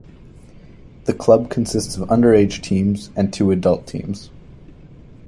The club consists of underage teams and two adult teams.